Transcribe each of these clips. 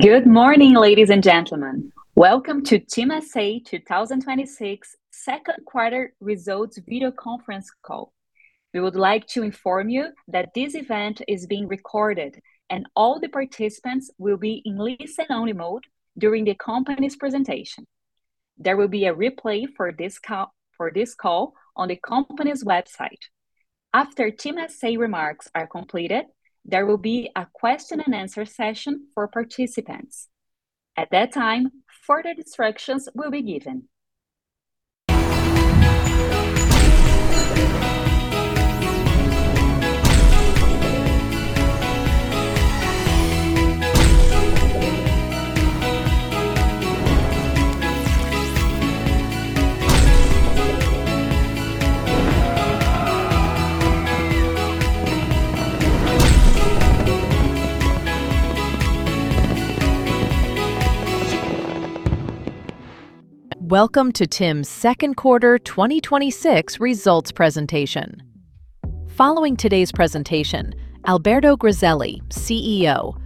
Good morning, ladies and gentlemen. Welcome to TIM S.A. 2026 Second Quarter Results Video Conference Call. We would like to inform you that this event is being recorded, and all the participants will be in listen-only mode during the company's presentation. There will be a replay for this call on the company's website. After TIM S.A. remarks are completed, there will be a question and answer session for participants. At that time, further instructions will be given. Welcome to TIM's second quarter 2026 results presentation. Following today's presentation, Alberto Griselli, CEO,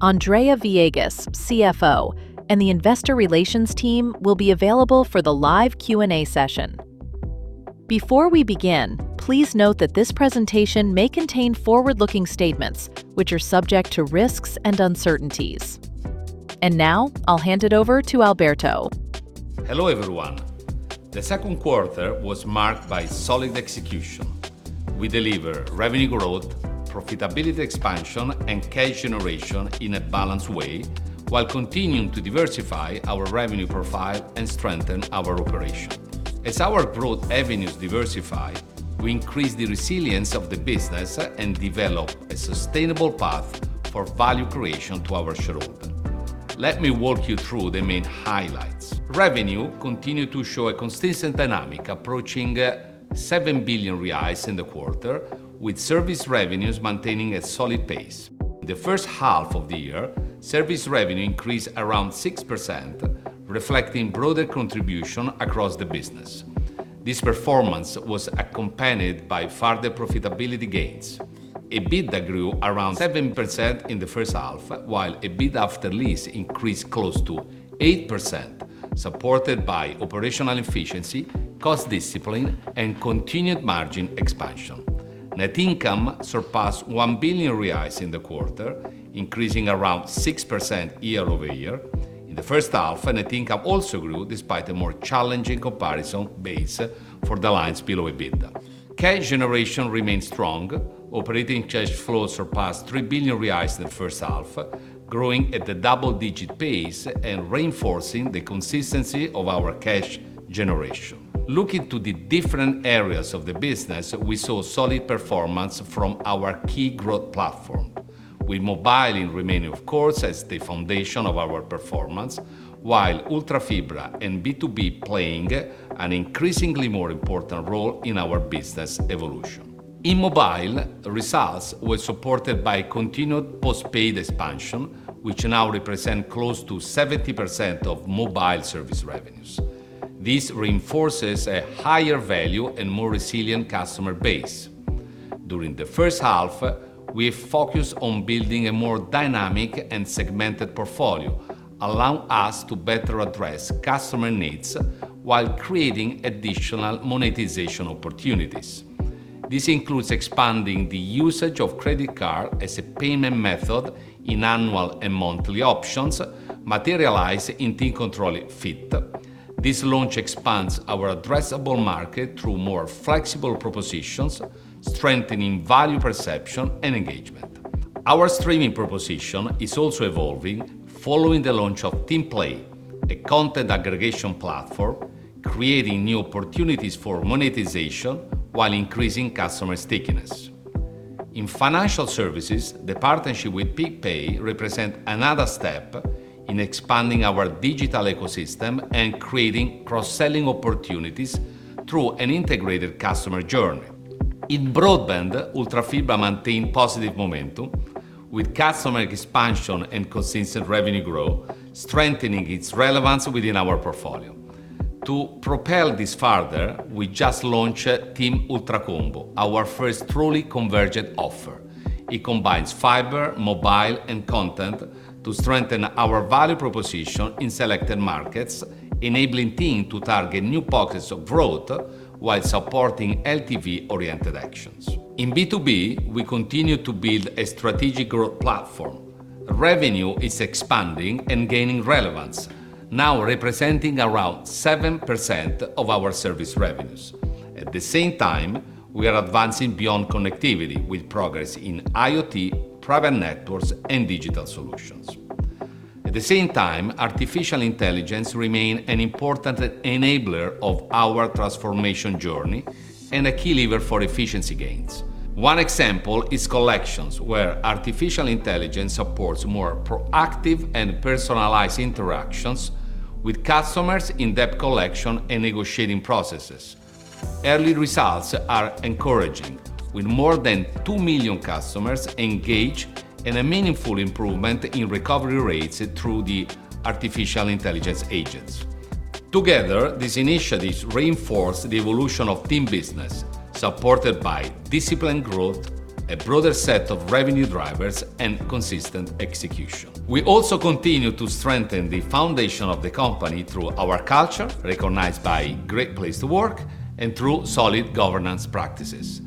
Andrea Viegas, CFO, and the investor relations team will be available for the live Q&A session. Before we begin, please note that this presentation may contain forward-looking statements, which are subject to risks and uncertainties. Now I'll hand it over to Alberto. Hello, everyone. The second quarter was marked by solid execution. We deliver revenue growth, profitability expansion, and cash generation in a balanced way while continuing to diversify our revenue profile and strengthen our operation. As our growth avenues diversify, we increase the resilience of the business and develop a sustainable path for value creation to our shareholder. Let me walk you through the main highlights. Revenue continued to show a consistent dynamic, approaching 7 billion reais in the quarter, with service revenues maintaining a solid pace. The first half of the year, service revenue increased around 6%, reflecting broader contribution across the business. This performance was accompanied by further profitability gains. EBITDA grew around 7% in the first half, while EBITA after lease increased close to 8%, supported by operational efficiency, cost discipline, and continued margin expansion. Net income surpassed 1 billion reais in the quarter, increasing around 6% year-over-year. In the first half, net income also grew despite a more challenging comparison base for the lines below EBITDA. Cash generation remained strong. Operating cash flow surpassed 3 billion reais in the first half, growing at a double-digit pace and reinforcing the consistency of our cash generation. Looking to the different areas of the business, we saw solid performance from our key growth platform, with mobile and remaining course as the foundation of our performance, while Ultrafibra and B2B playing an increasingly more important role in our business evolution. In mobile, results were supported by continued postpaid expansion, which now represent close to 70% of mobile service revenues. This reinforces a higher value and more resilient customer base. During the first half, we focused on building a more dynamic and segmented portfolio, allowing us to better address customer needs while creating additional monetization opportunities. This includes expanding the usage of credit card as a payment method in annual and monthly options materialized in TIM Controle Fit. This launch expands our addressable market through more flexible propositions, strengthening value perception and engagement. Our streaming proposition is also evolving following the launch of TIM Play, a content aggregation platform, creating new opportunities for monetization while increasing customer stickiness. In financial services, the partnership with PicPay represents another step in expanding our digital ecosystem and creating cross-selling opportunities through an integrated customer journey. In broadband, Ultrafibra maintained positive momentum with customer expansion and consistent revenue growth, strengthening its relevance within our portfolio. To propel this further, we just launched TIM Ultracombo, our first truly convergent offer. It combines fiber, mobile, and content to strengthen its value proposition in selected markets, enabling TIM to target new pockets of growth while supporting LTV-oriented actions. In B2B, we continue to build a strategic growth platform. Revenue is expanding and gaining relevance, now representing around 7% of our service revenues. At the same time, we are advancing beyond connectivity with progress in IoT, private networks, and digital solutions. At the same time, artificial intelligence remains an important enabler of our transformation journey and a key lever for efficiency gains. One example is collections, where artificial intelligence supports more proactive and personalized interactions with customers in debt collection and negotiating processes. Early results are encouraging. With more than 2 million customers engaged in a meaningful improvement in recovery rates through the artificial intelligence agents. Together, these initiatives reinforce the evolution of TIM business, supported by disciplined growth, a broader set of revenue drivers, and consistent execution. We also continue to strengthen the foundation of the company through our culture, recognized by a great place to work, and through solid governance practices.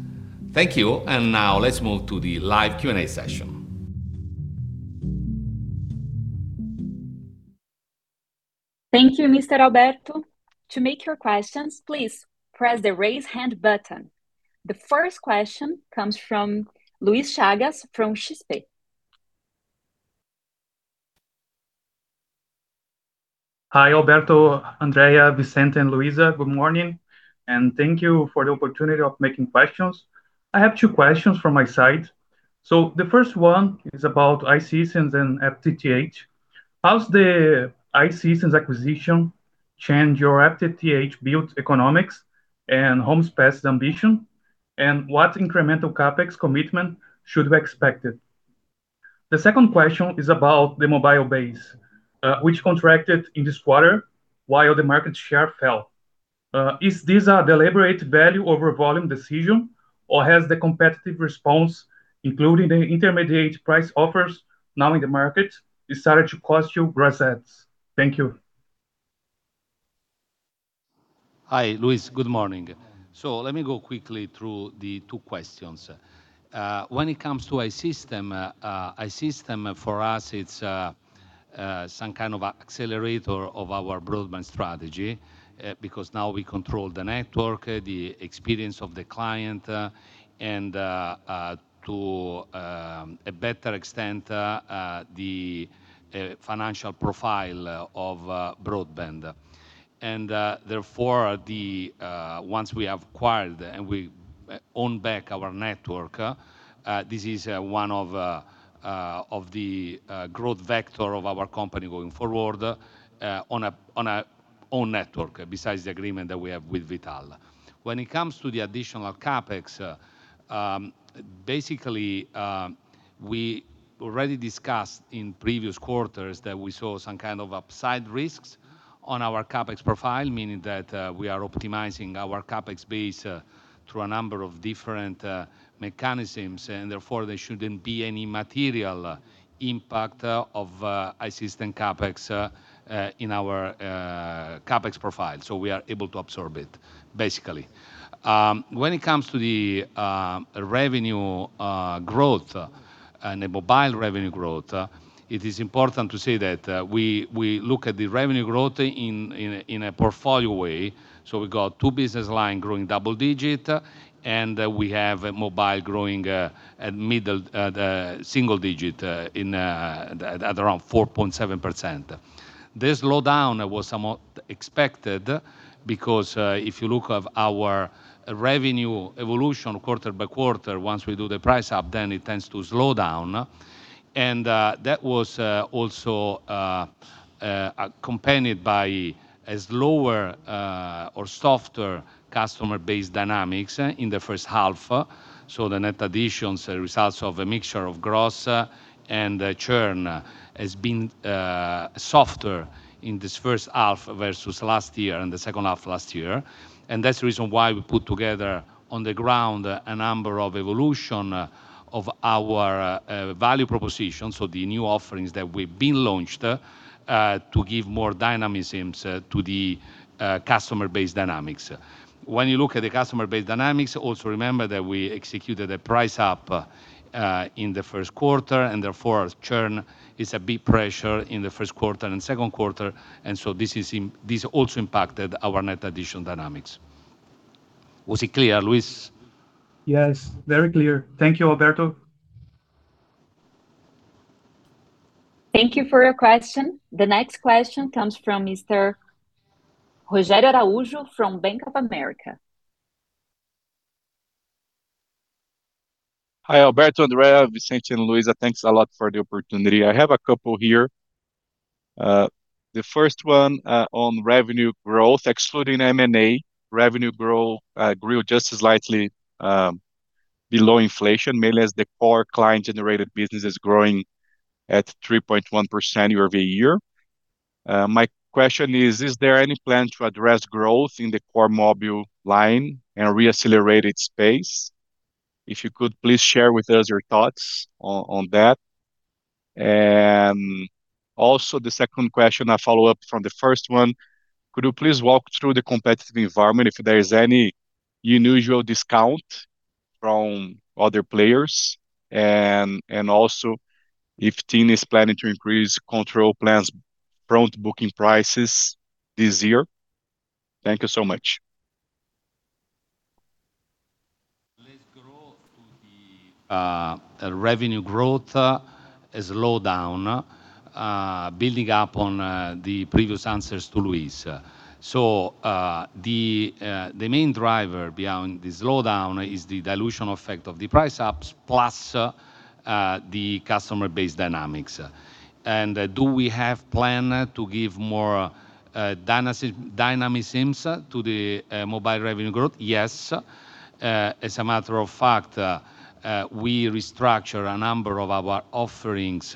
Thank you. Now let's move to the live Q&A session. Thank you, Mr. Alberto. To make your questions, please press the raise hand button. The first question comes from Luis Chagas from XP. Hi, Alberto, Andrea, Vicente, and Luiza. Good morning, and thank you for the opportunity of making questions. I have two questions from my side. The first one is about I-Systems and FTTH. How does the I-Systems acquisition change your FTTH build economics and homes passed ambition, and what incremental CapEx commitment should we expected? The second question is about the mobile base, which contracted in this quarter while the market share fell. Is this a deliberate value over volume decision, or has the competitive response, including the intermediate price offers now in the market, started to cost you gross adds? Thank you. Hi, Luis. Good morning. Let me go quickly through the two questions. When it comes to I-Systems, I-Systems for us, it's some kind of accelerator of our broadband strategy, because now we control the network, the experience of the client, and to a better extent, the financial profile of broadband. Therefore, once we acquired and we own back our network, this is one of the growth vectors of our company going forward on our own network, besides the agreement that we have with V.tal. When it comes to the additional CapEx, basically, we already discussed in previous quarters that we saw some kind of upside risks on our CapEx profile, meaning that we are optimizing our CapEx base through a number of different mechanisms. There shouldn't be any material impact of I-Systems CapEx in our CapEx profile. We are able to absorb it, basically. When it comes to the revenue growth and the mobile revenue growth, it is important to say that we look at the revenue growth in a portfolio way. We've got two business lines growing double digit, and we have mobile growing at middle single digit at around 4.7%. This slowdown was somewhat expected because if you look at our revenue evolution quarter by quarter, once we do the price up, then it tends to slow down. That was also accompanied by a slower or softer customer base dynamics in the first half. The net additions results of a mixture of gross and churn has been softer in this first half versus last year and the second half last year. That's the reason why we put together on the ground a number of evolution of our value proposition. The new offerings that we've been launched to give more dynamism to the customer base dynamics. When you look at the customer base dynamics, also remember that we executed a price up in the first quarter. Our churn is a big pressure in the first quarter and second quarter. This also impacted our net addition dynamics. Was it clear, Luis? Yes, very clear. Thank you, Alberto. Thank you for your question. The next question comes from Mr. Rogério Araujo from Bank of America. Hi, Alberto, Andrea, Vicente, and Luiza. Thanks a lot for the opportunity. I have a couple here. The first one on revenue growth. Excluding M&A, revenue grew just slightly below inflation, mainly as the core client-generated business is growing at 3.1% year-over-year. My question is: Is there any plan to address growth in the core mobile line and re-accelerate its pace? If you could please share with us your thoughts on that. The second question, a follow-up from the first one, could you please walk through the competitive environment if there is any unusual discount from other players? If TIM is planning to increase TIM Controle plans front booking prices this year? Thank you so much. Let's go through the revenue growth slowdown, building up on the previous answers to Luis. The main driver behind the slowdown is the dilution effect of the price ups plus the customer base dynamics. Do we have plan to give more dynamism to the mobile revenue growth? Yes. As a matter of fact, we restructured a number of our offerings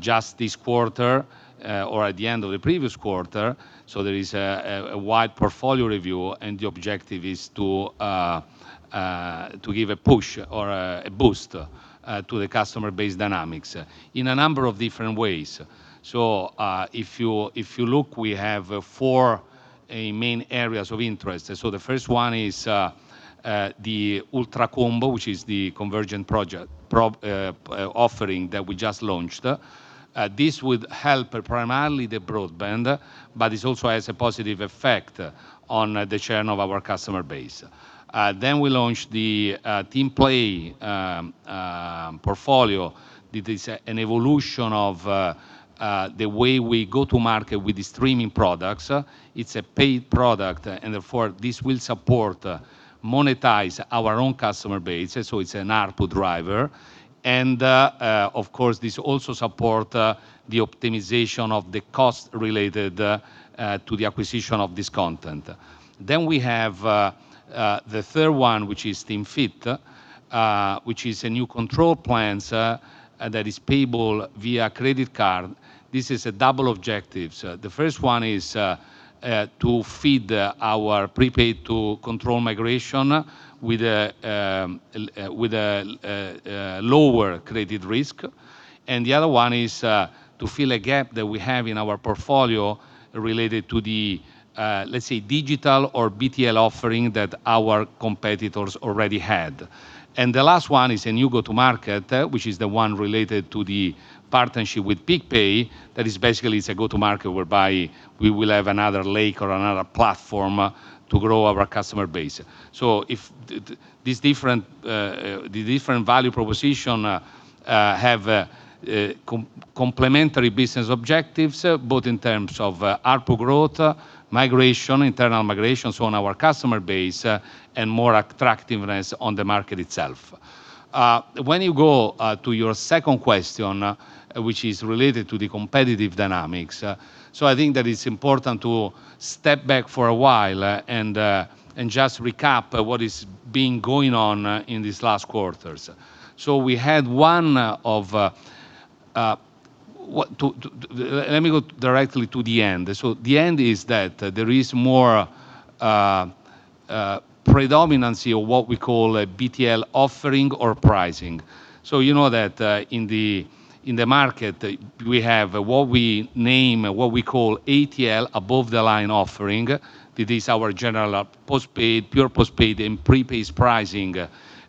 just this quarter or at the end of the previous quarter. There is a wide portfolio review and the objective is to give a push or a boost to the customer base dynamics in a number of different ways. If you look, we have four main areas of interest. The first one is, the Ultracombo, which is the convergent offering that we just launched. This would help primarily the broadband, this also has a positive effect on the churn of our customer base. We launched the TIM Play portfolio. It is an evolution of the way we go to market with the streaming products. It's a paid product, and therefore, this will support, monetize our own customer base. It's an ARPU driver. Of course, this also support the optimization of the cost related to the acquisition of this content. We have the third one, which is TIM Fit, which is a new Controle plans that is payable via credit card. This is a double objective. The first one is to feed our prepaid to Controle migration with a lower credit risk. The other one is to fill a gap that we have in our portfolio related to the, let's say, digital or BTL offering that our competitors already had. The last one is a new go to market, which is the one related to the partnership with PicPay. That is basically, it's a go to market whereby we will have another lake or another platform to grow our customer base. These different value proposition have complementary business objectives, both in terms of ARPU growth, internal migrations on our customer base, and more attractiveness on the market itself. When you go to your second question, which is related to the competitive dynamics. I think that it's important to step back for a while and just recap what is been going on in these last quarters. Let me go directly to the end. The end is that there is more predominancy of what we call a BTL offering or pricing. You know that in the market, we have what we call ATL above the line offering. That is our general pure postpaid and prepaid pricing,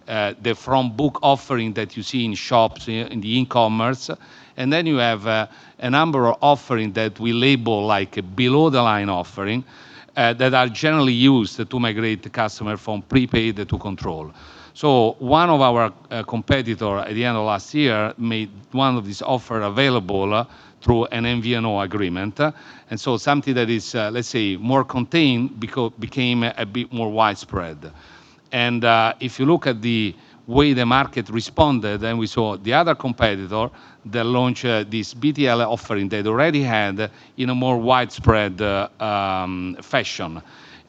the front book offering that you see in shops, in the e-commerce. Then you have a number of offering that we label below the line offering, that are generally used to migrate the customer from prepaid to Controle. One of our competitor at the end of last year made one of this offer available through an MVNO agreement. Something that is, let's say, more contained became a bit more widespread. If you look at the way the market responded, we saw the other competitor that launch this BTL offering they'd already had in a more widespread fashion.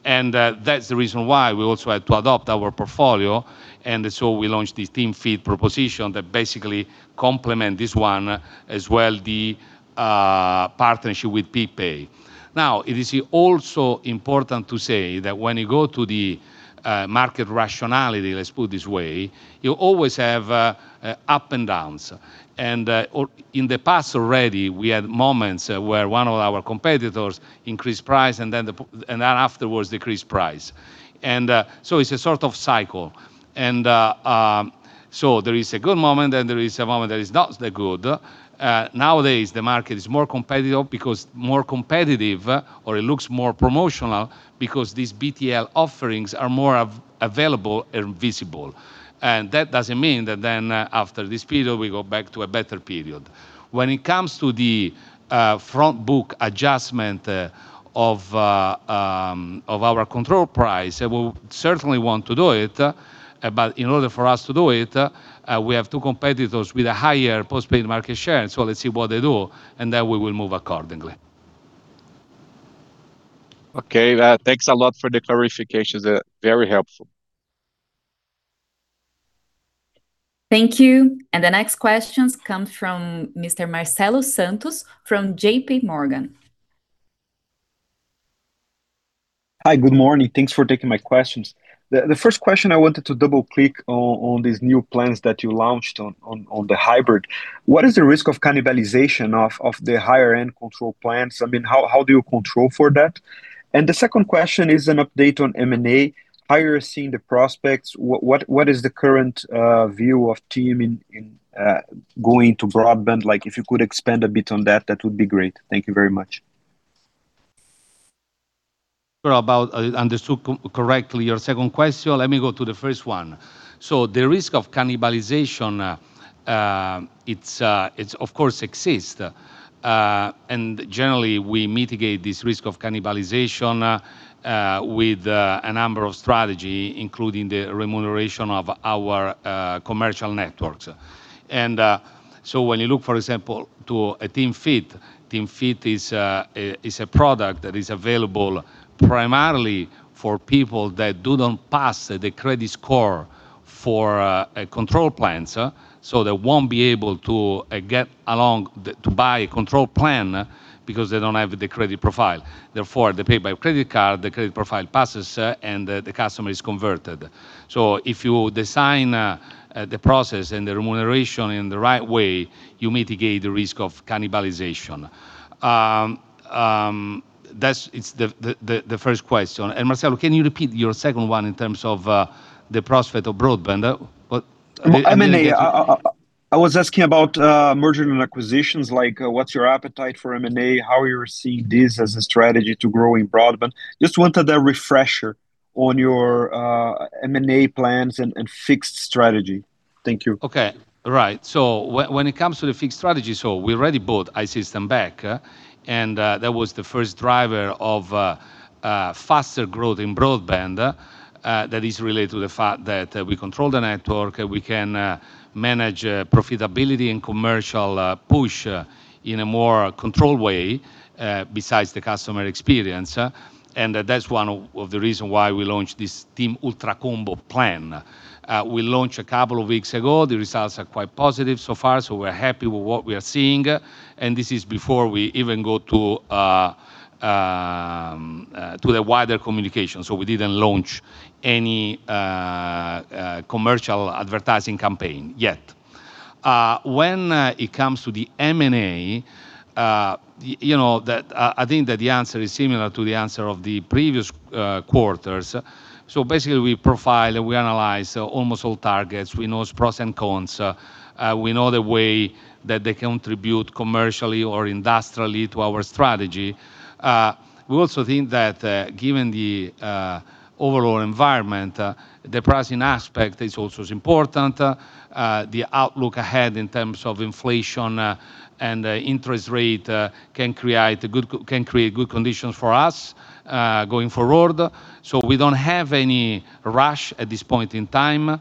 That's the reason why we also had to adopt our portfolio, we launched this TIM Fit proposition that basically complement this one as well, the partnership with PicPay. It is also important to say that when you go to the market rationality, let's put it this way, you always have up and downs. In the past already, we had moments where one of our competitors increased price afterwards decreased price. It's a sort of cycle. There is a good moment, there is a moment that is not that good. Nowadays, the market is more competitive or it looks more promotional because these BTL offerings are more available and visible. That doesn't mean that after this period, we go back to a better period. When it comes to the front book adjustment of our control price, we certainly want to do it. In order for us to do it, we have two competitors with a higher postpaid market share. Let's see what they do, then we will move accordingly. Okay. Thanks a lot for the clarifications. Very helpful. Thank you. The next questions come from Mr. Marcelo Santos from J.P. Morgan. Hi. Good morning. Thanks for taking my questions. The first question I wanted to double-click on these new plans that you launched on the hybrid. What is the risk of cannibalization of the higher-end control plans? How do you control for that? The second question is an update on M&A. How are you seeing the prospects? What is the current view of TIM in going to broadband? If you could expand a bit on that would be great. Thank you very much. Sure. I understood correctly your second question. Let me go to the first one. The risk of cannibalization, it of course exists. Generally we mitigate this risk of cannibalization with a number of strategy, including the remuneration of our commercial networks. When you look, for example, to a TIM Fit, TIM Fit is a product that is available primarily for people that do not pass the credit score for a Controle plans. They won't be able to buy a Controle plan because they don't have the credit profile. Therefore, they pay by credit card, the credit profile passes, and the customer is converted. If you design the process and the remuneration in the right way, you mitigate the risk of cannibalization. That's the first question. Marcelo, can you repeat your second one in terms of the prospect of broadband? M&A. I was asking about mergers and acquisitions, like what's your appetite for M&A? How you see this as a strategy to growing broadband? Just wanted a refresher on your M&A plans and fixed strategy. Thank you. Okay. Right. When it comes to the fixed strategy, we already bought I-Systems back, and that was the first driver of faster growth in broadband that is related to the fact that we control the network, we can manage profitability and commercial push in a more controlled way besides the customer experience. That's one of the reasons why we launched this TIM Ultracombo plan. We launched a couple of weeks ago. The results are quite positive so far, so we're happy with what we are seeing, and this is before we even go to the wider communication. We didn't launch any commercial advertising campaign yet. When it comes to the M&A, I think that the answer is similar to the answer of the previous quarters. Basically we profile, we analyze almost all targets. We know its pros and cons. We know the way that they contribute commercially or industrially to our strategy. We also think that given the overall environment, the pricing aspect is also important. The outlook ahead in terms of inflation and interest rate can create good conditions for us going forward. We don't have any rush at this point in time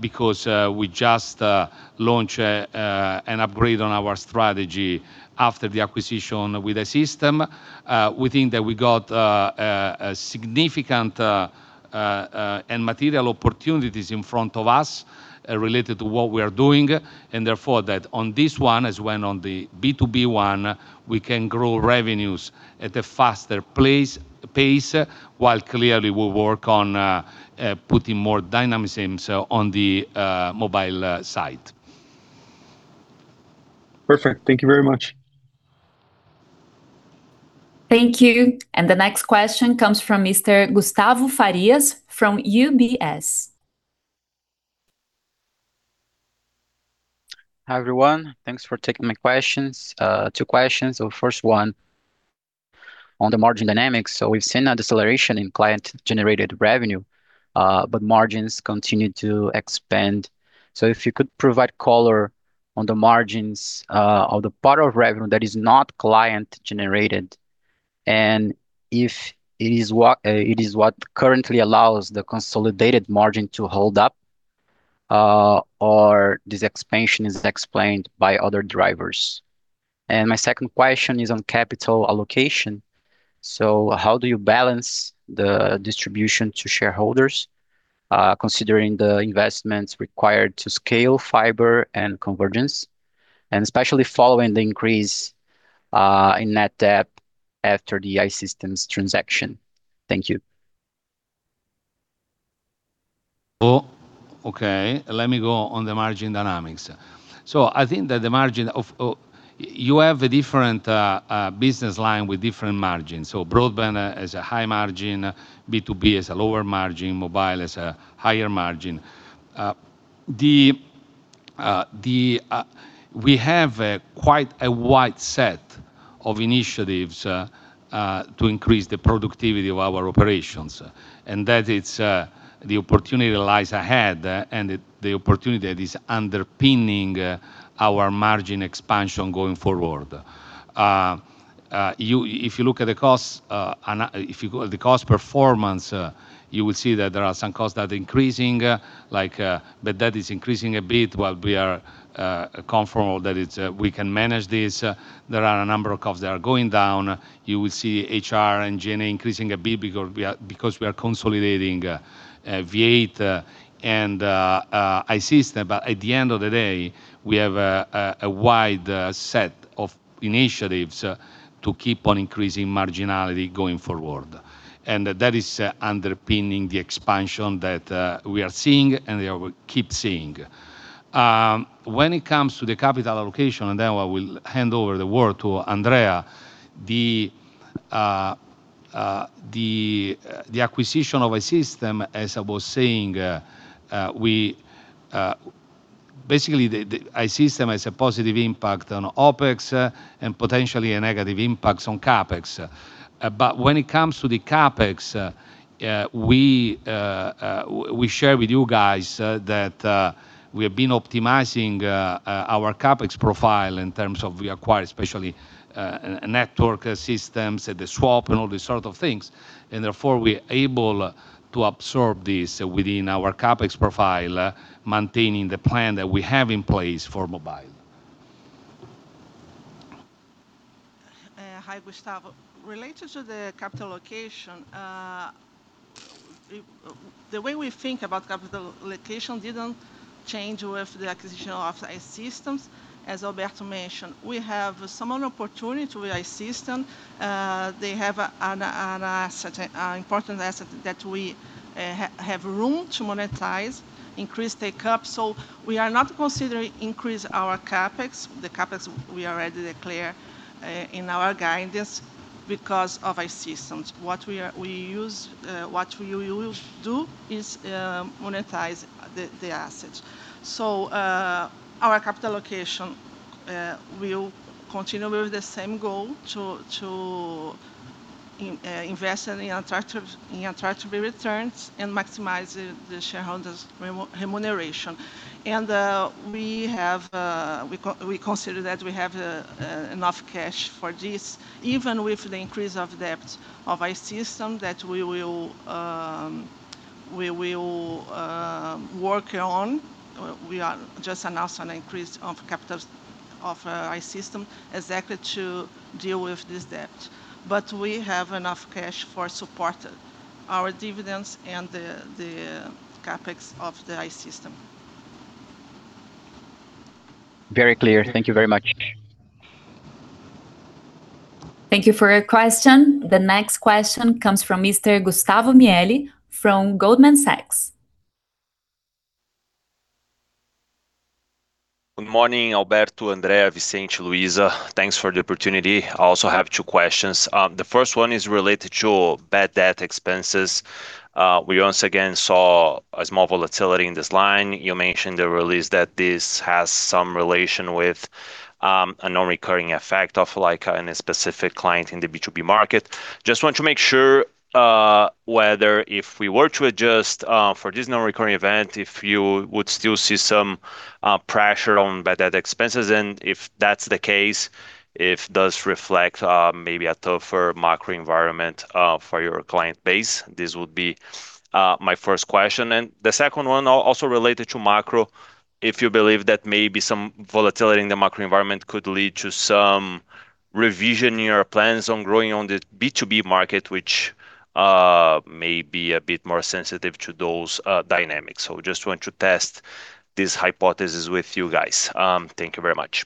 because we just launched an upgrade on our strategy after the acquisition with I-Systems. We think that we got significant and material opportunities in front of us related to what we are doing, and therefore that on this one, as when on the B2B one, we can grow revenues at a faster pace while clearly we'll work on putting more dynamism on the mobile side. Perfect. Thank you very much. Thank you. The next question comes from Mr. Gustavo Farias from UBS. Hi, everyone. Thanks for taking my questions. Two questions. First one on the margin dynamics. We've seen a deceleration in client-generated revenue, but margins continue to expand. If you could provide color on the margins of the part of revenue that is not client-generated, and if it is what currently allows the consolidated margin to hold up, or this expansion is explained by other drivers. My second question is on capital allocation. How do you balance the distribution to shareholders considering the investments required to scale fiber and convergence, and especially following the increase in net debt after the I-Systems transaction? Thank you. Okay. Let me go on the margin dynamics. I think that you have a different business line with different margins. Broadband has a high margin, B2B has a lower margin, mobile has a higher margin. We have quite a wide set of initiatives to increase the productivity of our operations, and that it's the opportunity that lies ahead and the opportunity that is underpinning our margin expansion going forward. If you look at the cost performance, you will see that there are some costs that are increasing, like the debt is increasing a bit while we are comfortable that we can manage this. There are a number of costs that are going down. You will see HR and G&A increasing a bit because we are consolidating V.tal and I-Systems. At the end of the day, we have a wide set of initiatives to keep on increasing marginality going forward. That is underpinning the expansion that we are seeing and that we will keep seeing. When it comes to the capital allocation, then I will hand over the word to Andrea. The acquisition of I-Systems, as I was saying, basically I-Systems has a positive impact on OpEx and potentially a negative impact on CapEx. When it comes to the CapEx, we share with you guys that we have been optimizing our CapEx profile in terms of we acquire especially network systems, the swap and all these sort of things. Therefore, we are able to absorb this within our CapEx profile, maintaining the plan that we have in place for mobile. Hi, Gustavo. Related to the capital allocation, the way we think about capital allocation didn't change with the acquisition of I-Systems. As Alberto mentioned, we have some opportunity with I-Systems. They have an important asset that we have room to monetize, increase take-up. We are not considering increase our CapEx, the CapEx we already declare in our guidance because of I-Systems. What we will do is monetize the assets. Our capital allocation will continue with the same goal to Invest in attractive returns and maximize the shareholders' remuneration. We consider that we have enough cash for this, even with the increase of debt of I-Systems that we will work on. We just announced an increase of capital of I-Systems exactly to deal with this debt. We have enough cash to support our dividends and the CapEx of the I-Systems. Very clear. Thank you very much. Thank you for your question. The next question comes from Mr. Gustavo Miele from Goldman Sachs. Good morning, Alberto, Andrea, Vicente, Luiza. Thanks for the opportunity. I also have two questions. The first one is related to bad debt expenses. We once again saw a small volatility in this line. You mentioned the release that this has some relation with a non-recurring effect of a specific client in the B2B market. Just want to make sure whether if we were to adjust for this non-recurring event, if you would still see some pressure on bad debt expenses, and if that's the case, if it does reflect maybe a tougher macro environment for your client base. This would be my first question. The second one, also related to macro, if you believe that maybe some volatility in the macro environment could lead to some revision in your plans on growing on the B2B market, which may be a bit more sensitive to those dynamics. Just want to test this hypothesis with you guys. Thank you very much.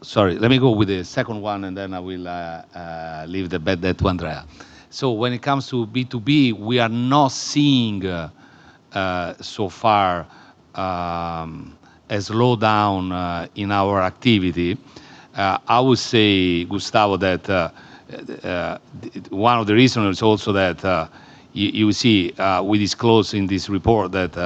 Sorry. Let me go with the second one, then I will leave the bad debt to Andrea. When it comes to B2B, we are not seeing, so far, a slowdown in our activity. I would say, Gustavo, that one of the reasons also that you see we disclose in this report that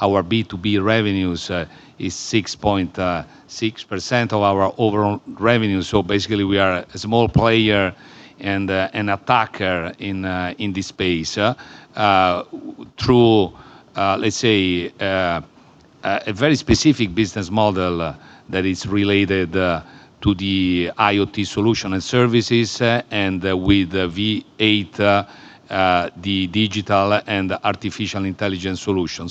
our B2B revenues is 6.6% of our overall revenue. Basically, we are a small player and attacker in this space through, let's say, a very specific business model that is related to the IoT solution and services and with V8, the digital and artificial intelligence solution.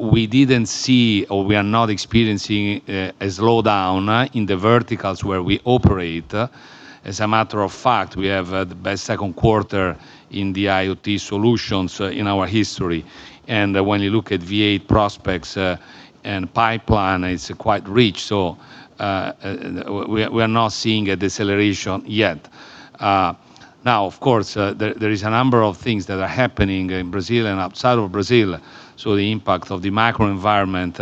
We didn't see, or we are not experiencing a slowdown in the verticals where we operate. As a matter of fact, we have the best second quarter in the IoT solutions in our history. When you look at V8 prospects and pipeline, it's quite rich. We are not seeing a deceleration yet. Of course, there is a number of things that are happening in Brazil and outside of Brazil. The impact of the macro environment,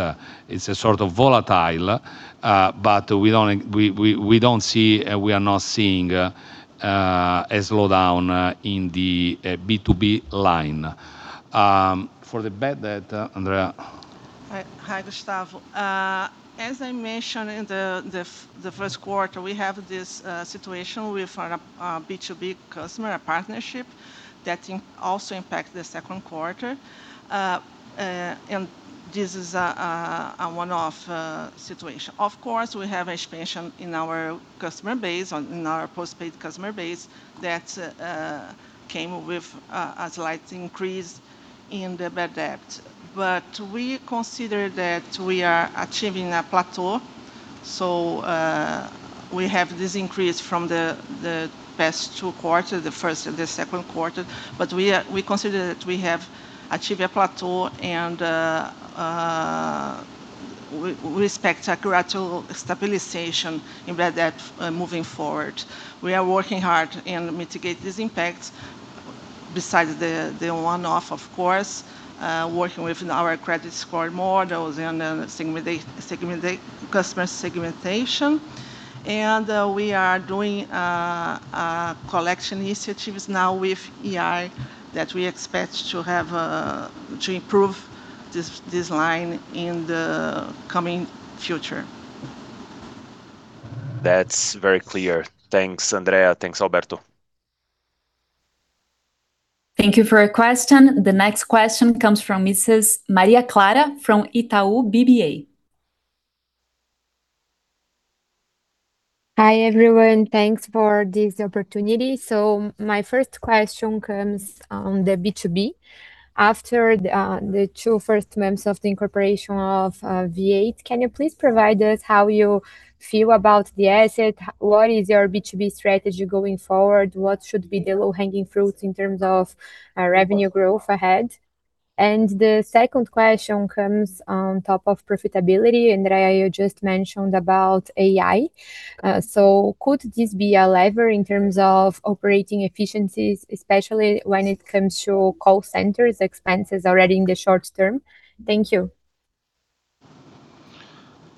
it's volatile, but we are not seeing a slowdown in the B2B line. For the bad debt, Andrea. Hi, Gustavo. As I mentioned in the first quarter, we have this situation with our B2B customer partnership that also impact the second quarter. This is a one-off situation. Of course, we have expansion in our postpaid customer base that came with a slight increase in the bad debt. We consider that we are achieving a plateau. We have this increase from the past two quarters, the first and the second quarter. We consider that we have achieved a plateau and we expect a gradual stabilization in bad debt moving forward. We are working hard in mitigate this impact besides the one-off, of course, working with our credit score models and customer segmentation. We are doing collection initiatives now with AI that we expect to improve this line in the coming future. That's very clear. Thanks, Andrea. Thanks, Alberto. Thank you for your question. The next question comes from Mrs. Maria Clara from Itaú BBA. Hi everyone, thanks for this opportunity. My first question comes on the B2B. After the two first months of the incorporation of V8, can you please provide us how you feel about the asset? What is your B2B strategy going forward? What should be the low-hanging fruits in terms of revenue growth ahead? The second question comes on top of profitability. Andrea, you just mentioned about AI. Could this be a lever in terms of operating efficiencies, especially when it comes to call center expenses already in the short term? Thank you.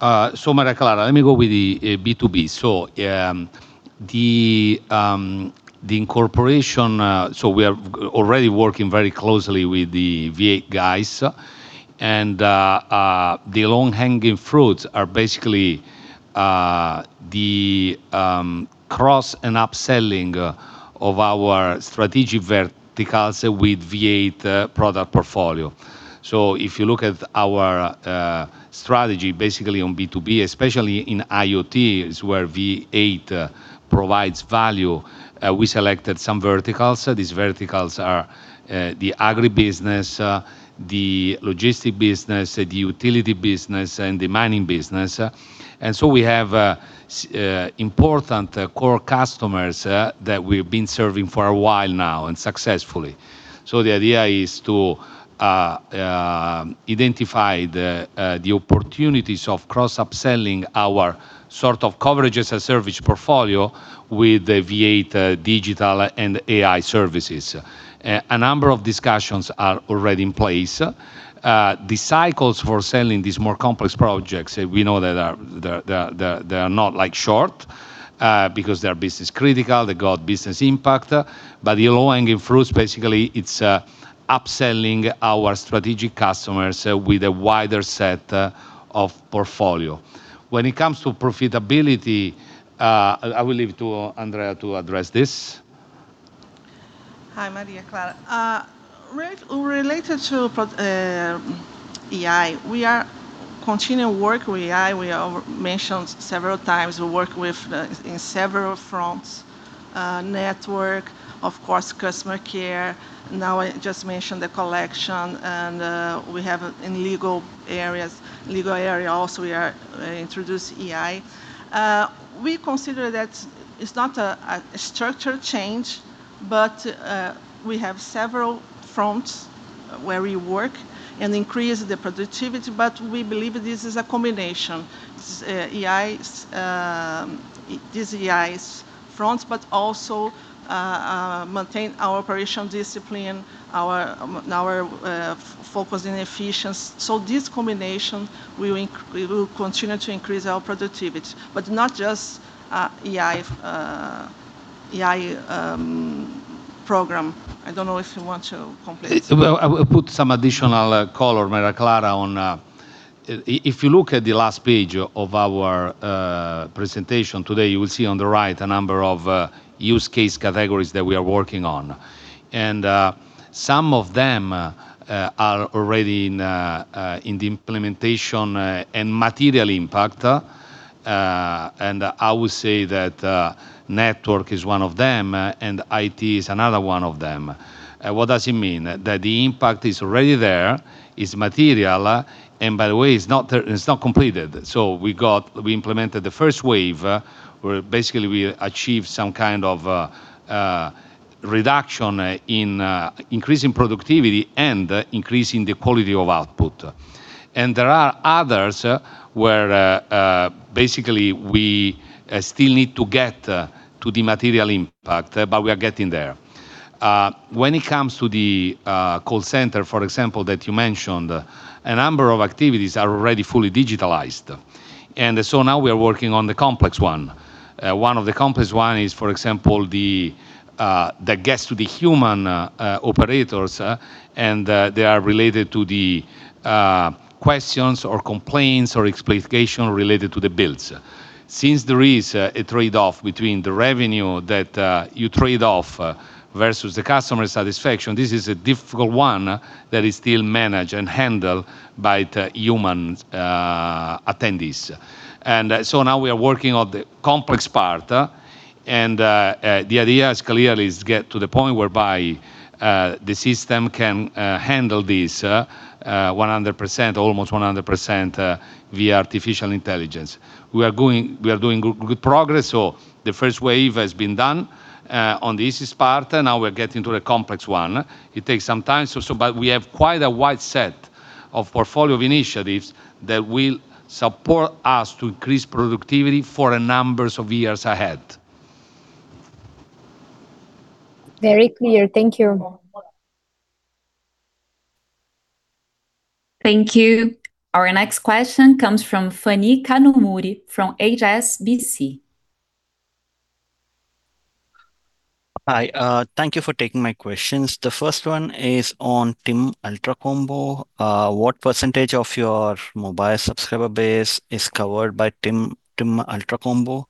Maria Clara, let me go with the B2B. We are already working very closely with the V8 guys. The low-hanging fruits are basically the cross and upselling of our strategic verticals with V8 product portfolio. If you look at our strategy, basically on B2B, especially in IoT, is where V8 provides value. We selected some verticals. These verticals are the agri business, the logistic business, the utility business, and the mining business. We have important core customers that we've been serving for a while now, and successfully. The idea is to identify the opportunities of cross-upselling our sort of coverage-as-a-service portfolio with the V8 digital and AI services. A number of discussions are already in place. The cycles for selling these more complex projects, we know that they are not short because they are business critical, they got business impact. The low-hanging fruits, basically, it's upselling our strategic customers with a wider set of portfolio. When it comes to profitability, I will leave to Andrea to address this. Hi, Maria Clara. Related to AI, we are continuing work with AI. We mentioned several times we work with in several fronts, network, of course, customer care. Now I just mentioned the collection, and we have in legal areas also, we are introducing AI. We consider that it's not a structure change, but we have several fronts where we work and increase the productivity. We believe this is a combination. These AI fronts, but also maintain our operational discipline, our focus in efficiency. This combination will continue to increase our productivity, but not just AI program. I don't know if you want to complete. I will put some additional color, Maria Clara, on. If you look at the last page of our presentation today, you will see on the right a number of use case categories that we are working on. Some of them are already in the implementation and material impact. I would say that network is one of them, and IT is another one of them. What does it mean? That the impact is already there, is material, and by the way, it's not completed. We implemented the first wave, where basically we achieved some kind of reduction in increasing productivity and increasing the quality of output. There are others where basically we still need to get to the material impact, but we are getting there. When it comes to the call center, for example, that you mentioned, a number of activities are already fully digitalized. Now we are working on the complex one. One of the complex one is, for example, the guest with the human operators, and they are related to the questions or complaints or explication related to the bills. Since there is a trade-off between the revenue that you trade off versus the customer satisfaction, this is a difficult one that is still managed and handled by the human attendees. Now we are working on the complex part, and the idea clearly is get to the point whereby the system can handle this 100%, almost 100%, via artificial intelligence. We are doing good progress. The first wave has been done on the easiest part, and now we're getting to the complex one. It takes some time. We have quite a wide set of portfolio of initiatives that will support us to increase productivity for a number of years ahead. Very clear. Thank you. Thank you. Our next question comes from Phani Kanumuri from HSBC. Hi. Thank you for taking my questions. The first one is on TIM Ultracombo. What percentage of your mobile subscriber base is covered by TIM Ultracombo?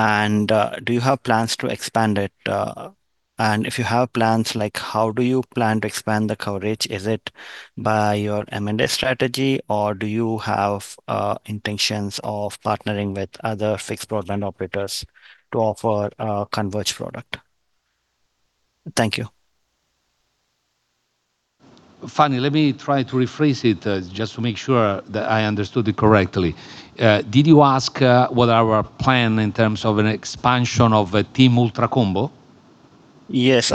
Do you have plans to expand it? If you have plans, how do you plan to expand the coverage? Is it by your M&A strategy, or do you have intentions of partnering with other fixed-broadband operators to offer a converged product? Thank you. Phani, let me try to rephrase it just to make sure that I understood it correctly. Did you ask what our plan in terms of an expansion of TIM Ultracombo? Yes.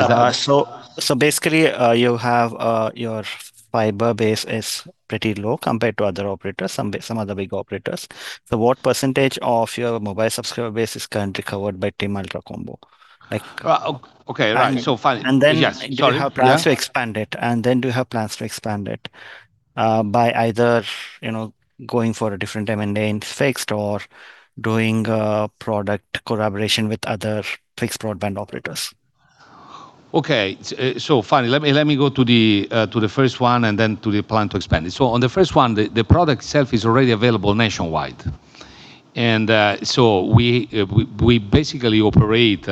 Basically, your fiber base is pretty low compared to other operators, some other big operators. What percentage of your mobile subscriber base is currently covered by TIM Ultracombo? Okay. Right. And then, do you have plans to expand it? Do you have plans to expand it by either going for a different M&A in fixed or doing product collaboration with other fixed broadband operators? Okay. Phani, let me go to the first one and then to the plan to expand it. On the first one, the product itself is already available nationwide. We basically operate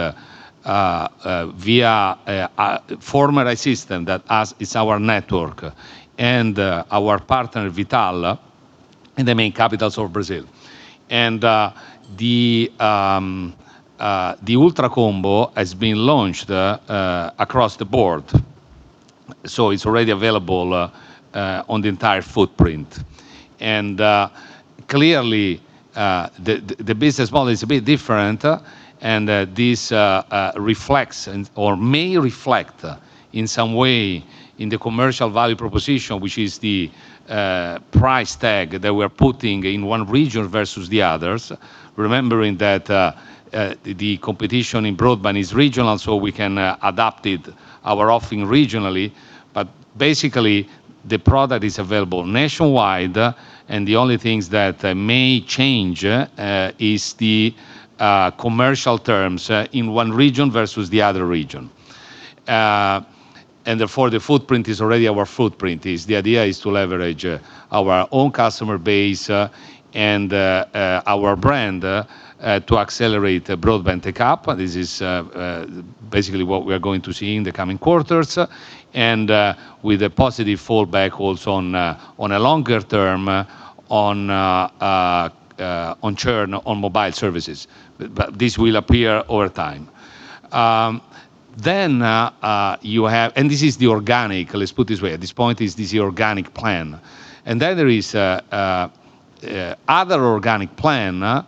via a formalized system that is our network, and our partner, V.tal, in the main capitals of Brazil. The Ultracombo has been launched across the board, so it's already available on the entire footprint. Clearly, the business model is a bit different, and this reflects, or may reflect, in some way, in the commercial value proposition, which is the price tag that we're putting in one region versus the others. Remembering that the competition in broadband is regional, we can adapt our offering regionally. Basically, the product is available nationwide, and the only things that may change is the commercial terms in one region versus the other region. Therefore, the footprint is already our footprint. The idea is to leverage our own customer base and our brand to accelerate broadband take-up. This is basically what we are going to see in the coming quarters, and with a positive fallback also on a longer term on churn on mobile services. This will appear over time. This is the organic. Let's put it this way, at this point is this organic plan. There is other organic plan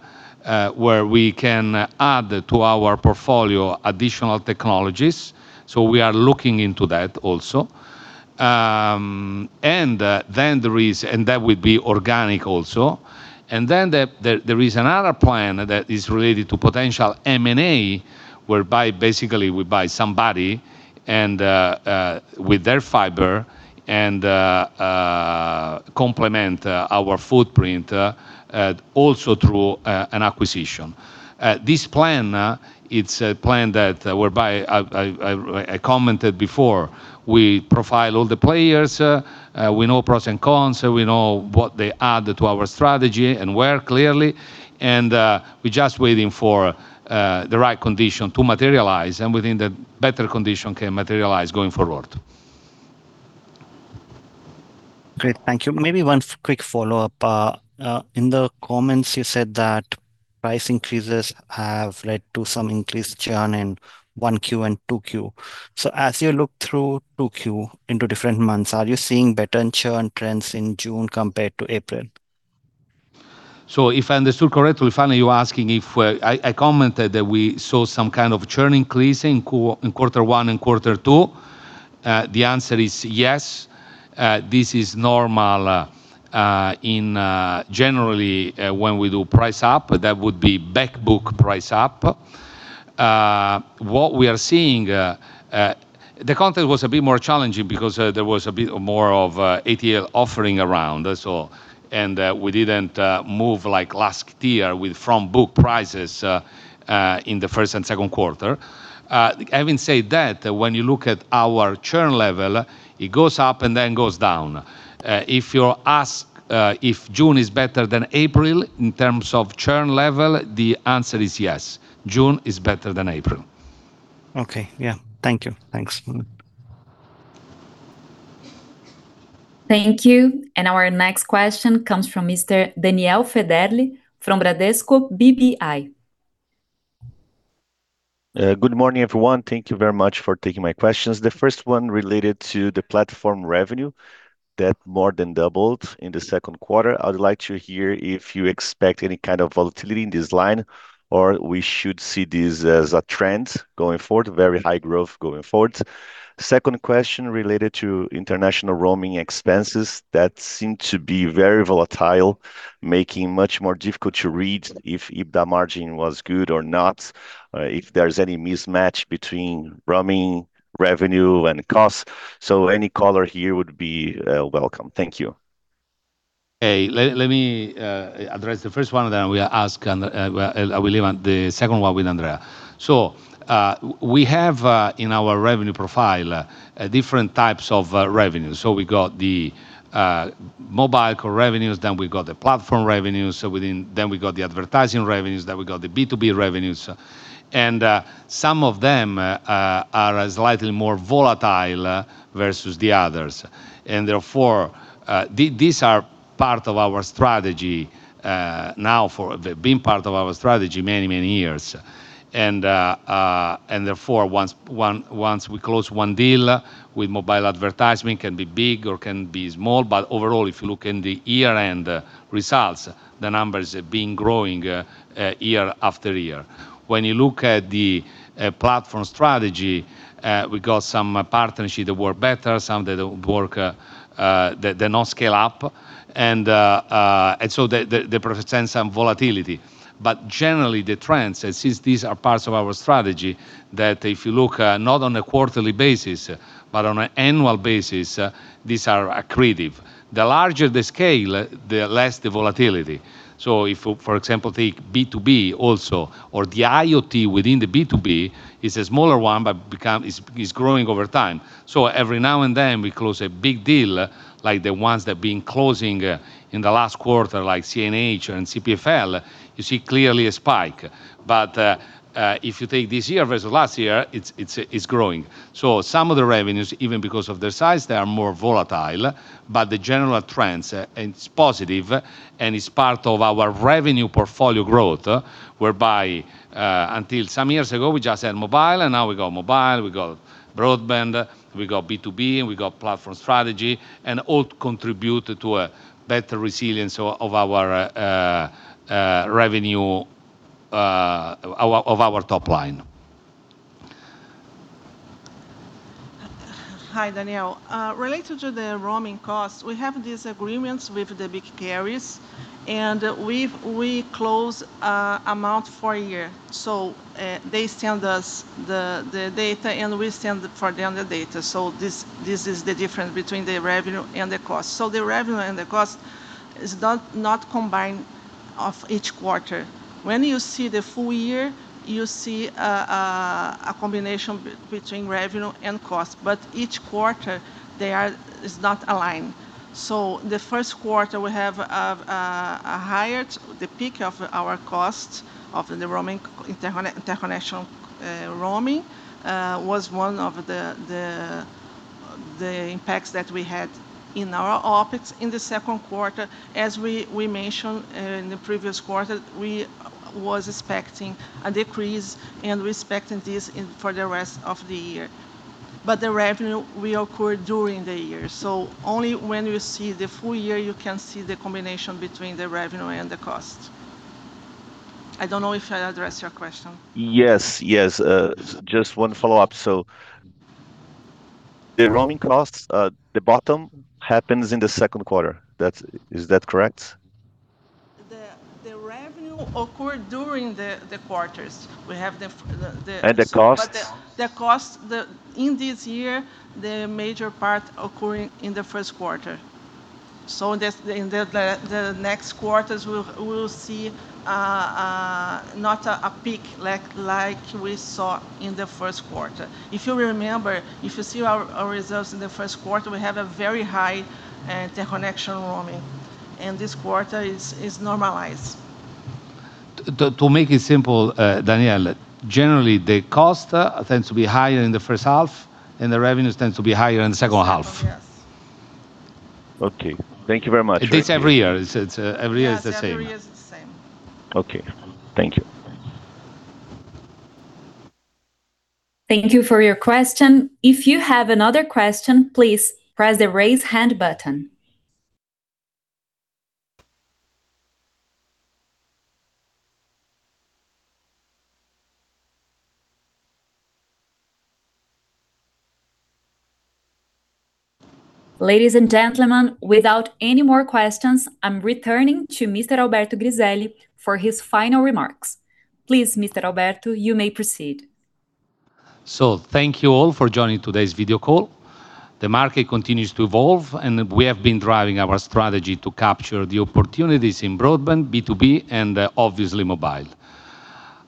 where we can add to our portfolio additional technologies. We are looking into that also. That would be organic also. There is another plan that is related to potential M&A, whereby basically we buy somebody and with their fiber and complement our footprint also through an acquisition. This plan, it's a plan whereby I commented before, we profile all the players. We know pros and cons, we know what they add to our strategy and where clearly, we're just waiting for the right condition to materialize, and within the better condition can materialize going forward. Great, thank you. Maybe one quick follow-up. In the comments, you said that price increases have led to some increased churn in 1Q and 2Q. As you look through 2Q into different months, are you seeing better churn trends in June compared to April? If I understood correctly, finally, you're asking if I commented that we saw some kind of churn increase in quarter one and quarter two. The answer is yes. This is normal in generally when we do price up, that would be back-book price up. The content was a bit more challenging because there was a bit more of ATL offering around. That's all. We didn't move like last year with front-book prices in the first and second quarter. Having said that, when you look at our churn level, it goes up and then goes down. If you ask if June is better than April in terms of churn level, the answer is yes. June is better than April. Okay. Yeah. Thank you. Thanks. Thank you. Our next question comes from Mr. Daniel Federle from Bradesco BBI. Good morning, everyone. Thank you very much for taking my questions. The first one related to the platform revenue that more than doubled in the second quarter. I would like to hear if you expect any kind of volatility in this line, or we should see this as a trend going forward, very high growth going forward. Second question related to international roaming expenses that seem to be very volatile, making much more difficult to read if the margin was good or not, if there's any mismatch between roaming revenue and costs. Any color here would be welcome. Thank you. Let me address the first one, then I will leave the second one with Andrea. We have in our revenue profile different types of revenues. We got the mobile core revenues. We got the platform revenues within. We got the advertising revenues. We got the B2B revenues. Some of them are slightly more volatile versus the others. Therefore, these are part of our strategy now for. They've been part of our strategy many, many years. Therefore, once we close one deal with mobile advertisement, can be big or can be small. Overall, if you look in the year-end results, the numbers have been growing year after year. When you look at the platform strategy, we got some partnership that work better, some that do not scale up. So they present some volatility. Generally, the trend, since these are parts of our strategy, that if you look not on a quarterly basis, but on an an annual basis, these are accretive. The larger the scale, the less the volatility. If, for example, take B2B also, or the IoT within the B2B, is a smaller one, but is growing over time. Every now and then we close a big deal like the ones that have been closing in the last quarter, like CNH and CPFL, you see clearly a spike. If you take this year versus last year, it's growing. Some of the revenues, even because of their size, they are more volatile. The general trends, it's positive, and it's part of our revenue portfolio growth, whereby until some years ago, we just had mobile. Now we got mobile. We got broadband. We got B2B. We got platform strategy, and all contribute to a better resilience of our top line. Hi, Daniel. Related to the roaming costs, we have these agreements with the big carriers. We close amount for a year. They send us the data. We send for them the data. This is the difference between the revenue and the cost. Each quarter, they are not aligned. The first quarter, we have a higher, the peak of our cost of the international roaming, was one of the impacts that we had in our OpEx. In the second quarter, as we mentioned in the previous quarter, we were expecting a decrease and we are expecting this for the rest of the year. The revenue will occur during the year. Only when you see the full year you can see the combination between the revenue and the cost. I don't know if I addressed your question. Yes. Just one follow-up. The roaming costs, the bottom happens in the second quarter. Is that correct? The revenue occurred during the quarters. The costs? The costs, in this year, the major part occurring in the first quarter. In the next quarters, we'll see not a peak like we saw in the first quarter. If you remember, if you see our results in the first quarter, we had a very high interconnection roaming. This quarter is normalized. To make it simple, Daniel, generally, the cost tends to be higher in the first half and the revenues tends to be higher in the second half. Second, yes. Okay. Thank you very much. It is every year. Every year is the same. Yes, every year is the same. Okay. Thank you. Thank you for your question. If you have another question, please press the Raise Hand button. Ladies and gentlemen, without any more questions, I'm returning to Mr. Alberto Griselli for his final remarks. Please, Mr. Alberto, you may proceed. Thank you all for joining today's video call. The market continues to evolve, and we have been driving our strategy to capture the opportunities in broadband, B2B, and, obviously, mobile.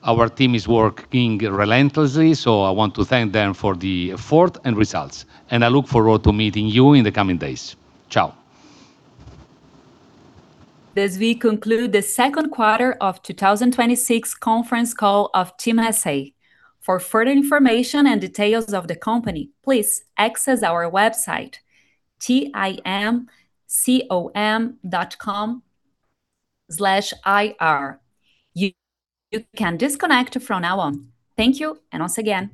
Our team is working relentlessly. I want to thank them for the effort and results, and I look forward to meeting you in the coming days. Ciao. Thus, we conclude the second quarter of 2026 conference call of TIM S.A. For further information and details of the company, please access our website, tim.com./ir. You can disconnect from now on. Thank you, and once again.